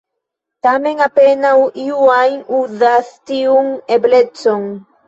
Tamen apenaŭ iu ajn uzas tiun eblecon.